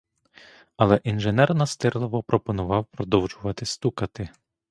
Але інженер настирливо пропонував продовжувати стукати.